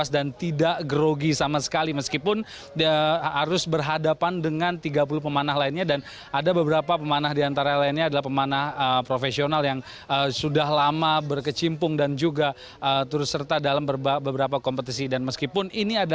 dan ini adalah hasil yang cukup memuaskan